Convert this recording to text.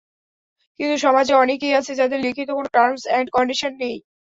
কিন্তু সমাজে অনেকেই আছে, যাদের লিখিত কোনো টার্মস অ্যান্ড কন্ডিশন নেই।